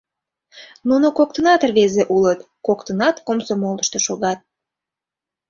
Нуно коктынат рвезе улыт, коктынат комсомолышто шогат.